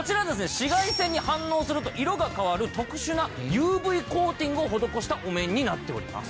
紫外線に反応すると色が変わる特殊なＵＶコーティングを施したお面になっております。